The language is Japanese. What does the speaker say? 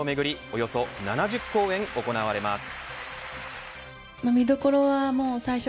およそ７０公演行われます。